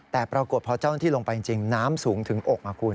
แต่ปรากฏพอเจ้าหน้าที่ลงไปจริงน้ำสูงถึงอกคุณ